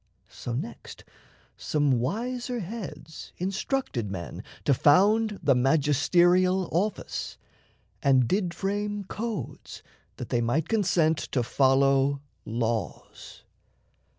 So next Some wiser heads instructed men to found The magisterial office, and did frame Codes that they might consent to follow laws.